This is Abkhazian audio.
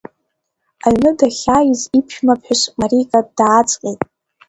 Аҩны дахьааиз иԥшәмаԥҳәыс Марика дааҵҟьеит…